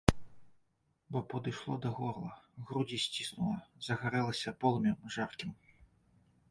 Бо падышло да горла, грудзі сціснула, загарэлася полымем жаркім.